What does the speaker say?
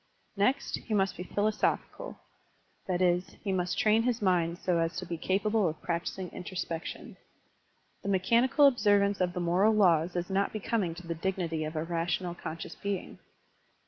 Next, he must be philosophical, that is, he must train his mind so as to be capable of practising introspection. The mechanical observance of the moral laws is not becoming to the dignity of a rational, con scious being.